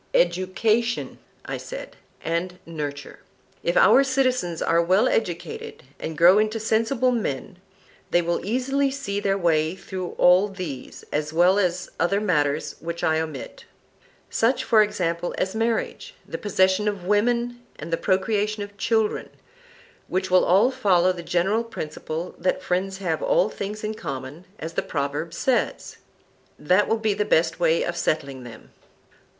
Education, I said, and nurture: If our citizens are well educated, and grow into sensible men, they will easily see their way through all these, as well as other matters which I omit; such, for example, as marriage, the possession of women and the procreation of children, which will all follow the general principle that friends have all things in common, as the proverb says. That will be the best way of settling them.